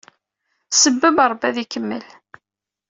Sebbeb, Ṛebbi ad ikemmel.